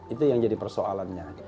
itu yang jadi persoalannya